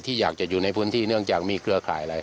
อยากจะอยู่ในพื้นที่เนื่องจากมีเครือข่ายอะไร